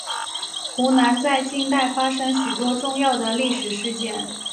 湖南在近代发生许多重要的历史事件。